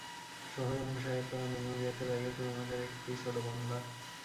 শহর এবং সাহেবপাড়ার মাঝামাঝি একটা জায়গায় খুড়োমশায়ের একটি ছোটো বাংলা।